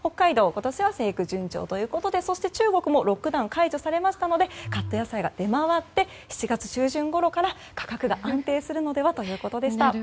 今年は生育が順調ということでそして中国もロックダウンが解除されましたのでカット野菜が出回って７月中旬ごろから価格が安定するのではということでした。